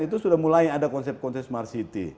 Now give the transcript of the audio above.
itu sudah mulai ada konsep konsep smart city